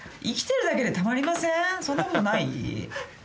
そんなことない？